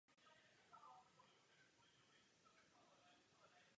Vedle pedagogické činnosti hojně překládal z arabštiny.